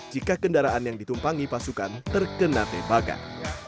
jika kendaraan yang ditumpangi pasukan terkena tembakan